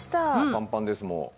パンパンですもう。